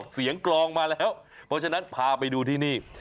กรองมาแล้วเพราะฉะนั้นพาไปดูที่นี่